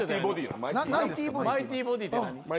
マイティボディーって何？